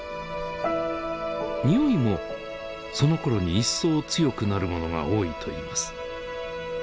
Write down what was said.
においもそのころにいっそう強くなるものが多いといいます。